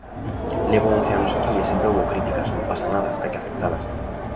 Levo once anos aquí e sempre houbo críticas, non pasa nada, hai que aceptalas.